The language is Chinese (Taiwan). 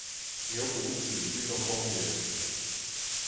牛埔仔運動公園